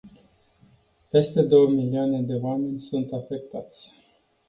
Peste două milioane de oameni sunt afectați.